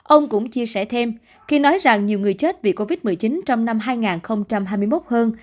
ông cũng chia sẻ thêm khi nói rằng nhiều người chết vì covid một mươi chín trong năm hai nghìn hai mươi một hơn